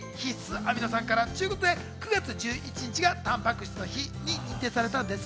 アミノ酸からということで９月１１日がたんぱく質の日に認定されたんです。